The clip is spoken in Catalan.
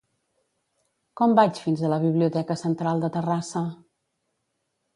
Com vaig fins a la biblioteca central de Terrassa?